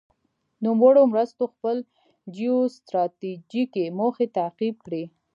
نوموړو مرستو خپل جیو ستراتیجیکې موخې تعقیب کړې.